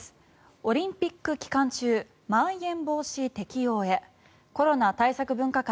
オリンピック期間中まん延防止適用へコロナ対策分科会